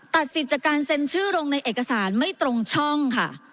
สิทธิ์จากการเซ็นชื่อลงในเอกสารไม่ตรงช่องค่ะ